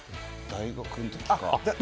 大学の時か。